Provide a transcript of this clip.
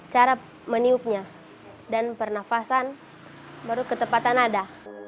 cara meniupnya dan pernafasan baru ketepatan nada